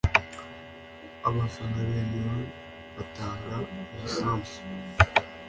abafana bemewe batanga umusanzu